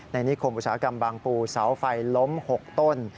นิคมอุตสาหกรรมบางปูเสาไฟล้ม๖ต้น